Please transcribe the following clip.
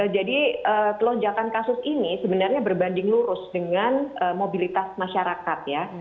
jadi lonjakan kasus ini sebenarnya berbanding lurus dengan mobilitas masyarakat ya